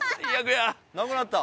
なくなった。